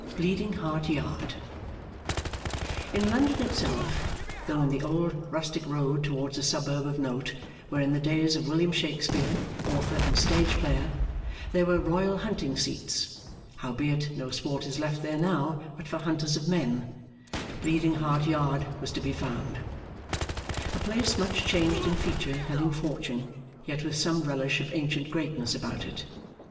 Bleeding Heart Yard In London itself, though in the old rustic road towards a suburb of note where in the days of William Shakespeare, author and stage player, there were Royal hunting seats howbeit no sport is left there now but for hunters of men Bleeding Heart Yard was to be found; a place much changed in feature and in fortune, yet with some relish of ancient greatness about it.